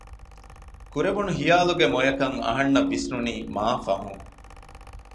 ކުރެވުނު ހިޔާލުގެ މޮޔަކަން އަހަންނަށް ވިސްނުނީ މާ ފަހުން